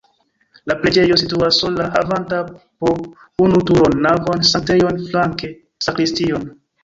La preĝejo situas sola havanta po unu turon, navon, sanktejon, flanke sakristion.